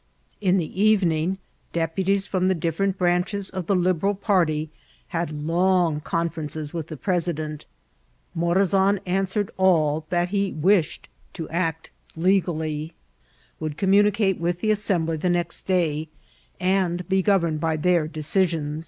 In the evening deputies from the different branches of the Liberal party had long conferences with the premdent. Morazan answered all that he wished to act legally, would communicate with the As semUy the next day, and be governed by their deci mon.